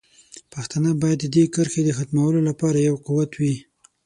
پښتانه باید د دې کرښې د ختمولو لپاره یو قوت وي.